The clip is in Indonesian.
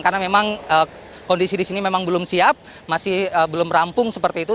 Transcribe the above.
karena memang kondisi di sini memang belum siap masih belum rampung seperti itu